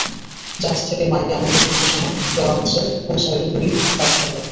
জাহাজ থেকে মাইকে আমাদের নির্দেশনা দেওয়া হচ্ছে কোন সাইডে দড়ি বাঁধতে হবে।